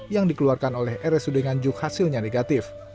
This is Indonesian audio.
yang dikeluarkan oleh rsud nganjuk hasilnya negatif